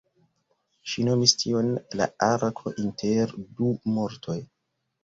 Ŝi nomis tion "la arko inter du mortoj".